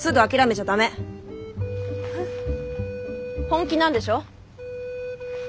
本気なんでしょ？